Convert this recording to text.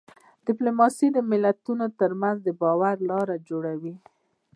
ډيپلوماسي د ملتونو ترمنځ د باور جوړولو لار وه.